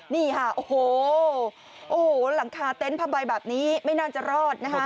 นี่ค่ะโอ้โฮหลังคาเต็นต์ภาใบแบบนี้ไม่น่าจะรอดนะครับ